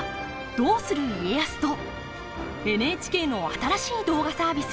「どうする家康」とＮＨＫの新しい動画サービス